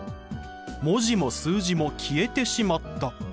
文字も数字も消えてしまった。